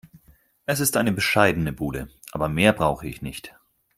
Es ist eine bescheidene Bude, aber mehr brauche ich nicht.